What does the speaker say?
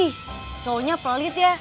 ih cowoknya pelit ya